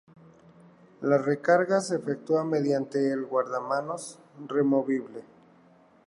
La recarga se efectúa mediante el guardamanos removible.